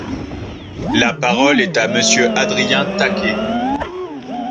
La parole est à Monsieur Adrien Taquet.